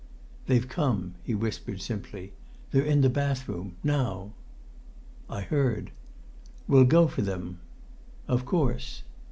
"They've come," he whispered, simply. "They're in the bathroom now!" "I heard." "We'll go for them!" "Of course."